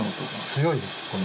強いです。